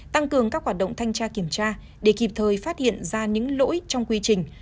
tăng cường các hoạt động thanh tra kiểm tra để kịp thời phát hiện ra những lỗi trong quy trình